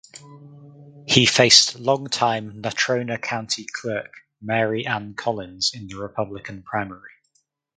He faced longtime Natrona County Clerk Mary Ann Collins in the Republican primary.